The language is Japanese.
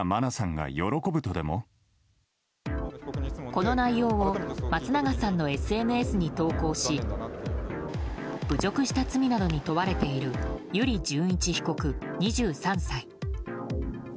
この内容を松永さんのＳＮＳに投稿し侮辱した罪などに問われている油利潤一被告、２３歳。